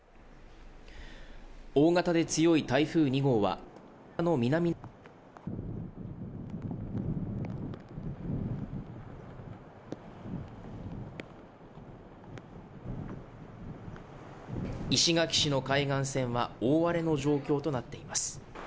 大型で強い台風２号は石垣市の海岸線は大荒れの状況となっています